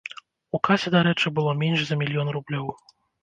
У касе, дарэчы, было менш за мільён рублёў.